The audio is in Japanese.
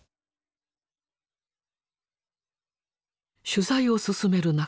取材を進める中